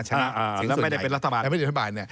ชนะแล้วไม่ได้เป็นรัฐบาล